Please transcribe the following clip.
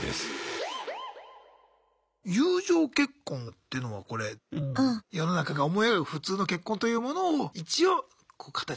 友情結婚っていうのはこれ世の中が思い描く普通の結婚というものを一応形として見せるためにする結婚。